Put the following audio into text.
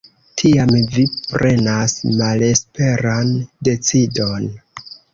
Tiam vi prenas malesperan decidon.